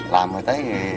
làm rồi tới